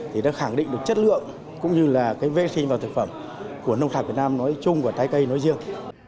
thì đã khẳng định được chất lượng cũng như là cái vệ sinh vào thực phẩm của nông sản việt nam nói chung và trái cây nói riêng